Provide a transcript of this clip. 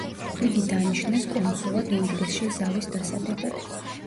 იგი დანიშნეს კონსულად ინგლისში ზავის დასადებად.